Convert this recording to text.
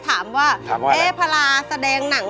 สวัสดีครับคุณหน่อย